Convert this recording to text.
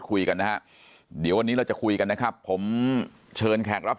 คุยกันนะฮะเดี๋ยววันนี้เราจะคุยกันนะครับผมเชิญแขกรับ